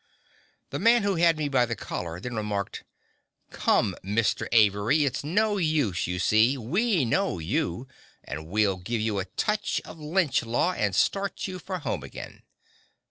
The man who had me by the collar then remarked, "Come, Mr. Avery, it's no use, you see, we know you, and we'll give you a touch of Lynch law, and start you for home again."